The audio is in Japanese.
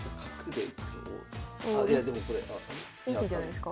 いい手じゃないすか？